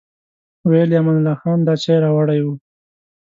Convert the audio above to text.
ویل یې امان الله خان دا چای راوړی و.